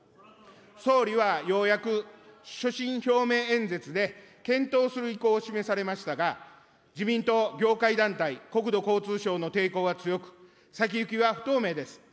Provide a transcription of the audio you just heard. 総理はようやく所信表明演説で、検討する意向を示されましたが、自民党、業界団体、国土交通省の抵抗は強く、先行きは不透明です。